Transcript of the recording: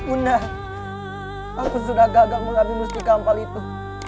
una aku sudah gagal mengambil mustika ampal itu